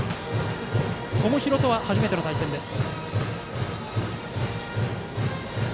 友廣とは初めての対戦です。